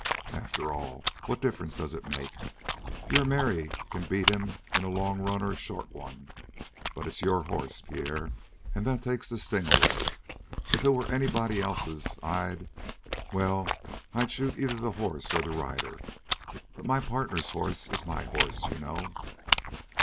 "After all, what difference does it make? Your Mary can beat him in a long run or a short one, but it's your horse, Pierre, and that takes the sting away. If it were anyone else's I'd well, I'd shoot either the horse or the rider. But my partner's horse is my horse, you know."